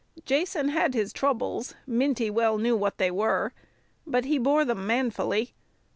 Jason had his troubles Minty well knew what they were but he bore them manfully.